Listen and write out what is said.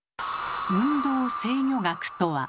「運動制御学」とは？